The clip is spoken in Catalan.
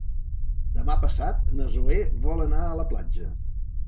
Demà passat na Zoè vol anar a la platja.